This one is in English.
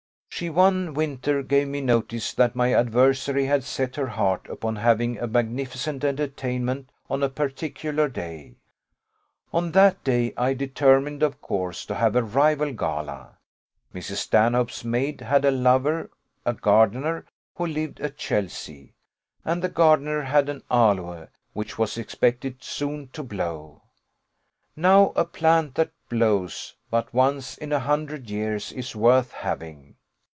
She one winter gave me notice that my adversary had set her heart upon having a magnificent entertainment on a particular day. On that day I determined, of course, to have a rival gala. Mrs. Stanhope's maid had a lover, a gardener, who lived at Chelsea; and the gardener had an aloe, which was expected soon to blow. Now a plant that blows but once in a hundred years is worth having.